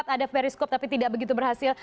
ada periskop tapi tidak begitu berhasil